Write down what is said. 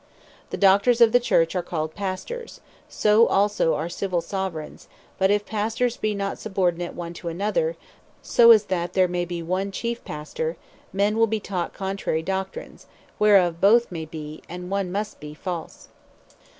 The Doctors of the Church, are called Pastors; so also are Civill Soveraignes: But if Pastors be not subordinate one to another, so as that there may bee one chief Pastor, men will be taught contrary Doctrines, whereof both may be, and one must be false.